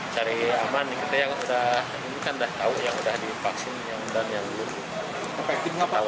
cari aman kita yang sudah tahu yang sudah divaksin yang undang yang lulus